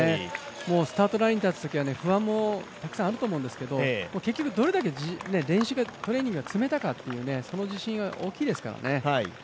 スタートラインに立つときは不安もあると思うんですけど結局どれだけ練習が、トレーニングが積めたかっていうその自信は大きいですからね。